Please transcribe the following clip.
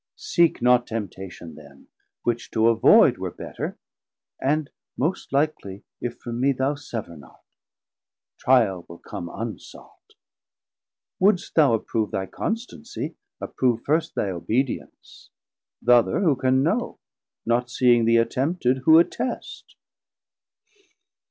Seek not temptation then, which to avoide Were better, and most likelie if from mee Thou sever not; Trial will come unsought. Wouldst thou approve thy constancie, approve First thy obedience; th' other who can know, Not seeing thee attempted, who attest?